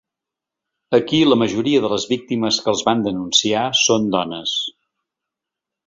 Aquí la majoria de les víctimes que els van denunciar són dones.